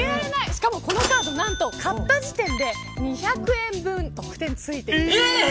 しかもこのカード買った時点で２００円分特典が付いてくるんです。